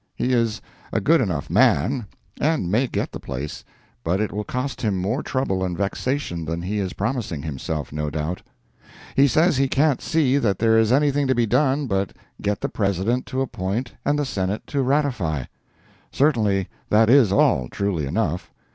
He is a good enough man, and may get the place, but it will cost him more trouble and vexation than he is promising himself, no doubt. He says he can't see that there is anything to be done but get the President to appoint and the Senate to ratify. Certainly that is all, truly enough.